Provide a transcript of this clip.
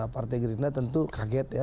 partai gerindra tentu kaget ya